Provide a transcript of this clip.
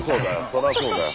そりゃそうだよ。